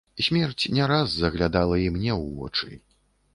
Смерць не раз заглядала і мне ў вочы.